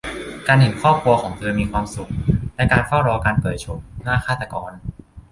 การเห็นครอบครัวของเธอมีความสุขและเฝ้ารอการเผยโฉมหน้าฆาตกร